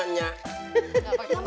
gak pake balik